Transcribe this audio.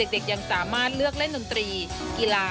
เด็กยังสามารถเลือกเล่นหนังตรีกีฬา